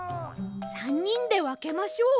３にんでわけましょう。